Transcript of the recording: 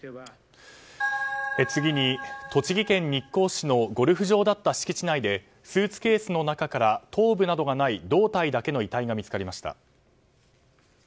次に、栃木県日光市のゴルフ場だった敷地内でスーツケースの中から頭部などがない胴体だけの遺体が見つかりました。